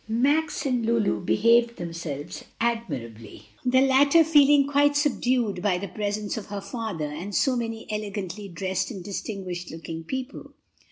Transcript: Max and Lulu behaved themselves admirably, the latter feeling quite subdued by the presence of her father and so many elegantly dressed and distinguished looking people.